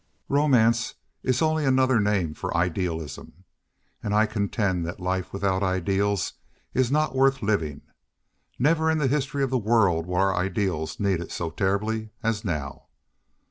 Romance is only another name for idealism; and I contend that life without ideals is not worth living. Never in the history of the world were ideals needed so terribly as now.